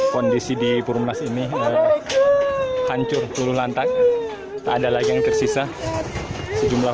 kondisi di purwomenas ini hancur seluruh lantai tak ada lagi yang tersisa sejumlah